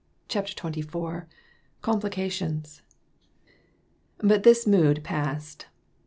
CHAPTER XXIV. BY PANSY. COMPLICATIONS. BUT this mood passed.